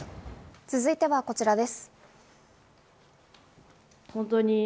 続いてはこちらです。